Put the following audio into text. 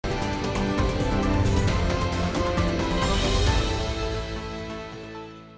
jadi kita harus bergabung